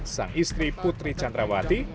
sang istri putri candrawati